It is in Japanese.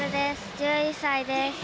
１１歳です。